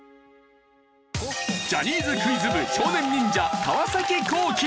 ジャニーズクイズ部少年忍者川皇輝